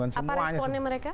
apa responnya mereka